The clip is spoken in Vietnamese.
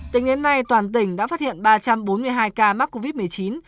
tính đến nay toàn tỉnh đã phát hiện ba trăm bốn mươi hai ca mắc covid một mươi chín